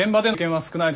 はい。